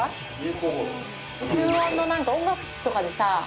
吸音の音楽室とかでさ